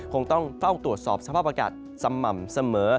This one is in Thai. คงต้องเฝ้าตรวจสอบสภาพอากาศสม่ำเสมอ